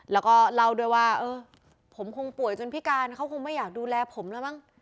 แล้วก็เล่าด้วยว่าเออผมคงป่วยจนพิการเขาคงไม่อยากดูแลผมแล้วมั้ง